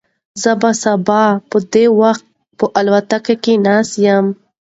زه به سبا په دې وخت کې په الوتکه کې ناست یم.